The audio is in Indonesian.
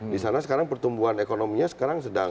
di sana sekarang pertumbuhan ekonominya sekarang sedang